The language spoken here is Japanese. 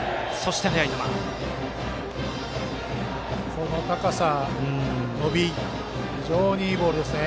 この高さ、伸び非常にいいボールですね。